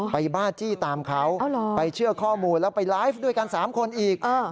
บ้าจี้ตามเขาไปเชื่อข้อมูลแล้วไปไลฟ์ด้วยกัน๓คนอีก